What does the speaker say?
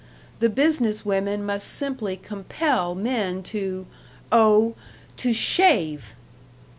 The business women must simply compel men to oh, to shave!"